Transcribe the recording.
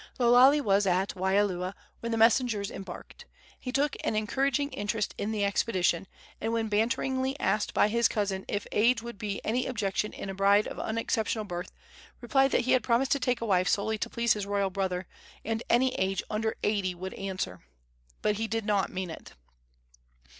Lo Lale was at Waialua when the messengers embarked. He took an encouraging interest in the expedition, and when banteringly asked by his cousin if age would be any objection in a bride of unexceptionable birth, replied that he had promised to take a wife solely to please his royal brother, and any age under eighty would answer. But he did not mean it.